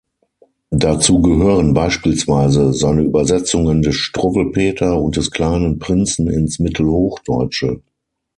Dazu gehören beispielsweise seine Übersetzungen des Struwwelpeter und des Kleinen Prinzen ins Mittelhochdeutsche.